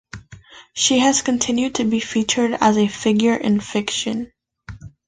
She has continued to be featured as a figure in fiction.